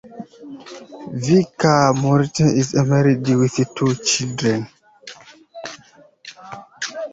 Vika Martirosyan is married with two children.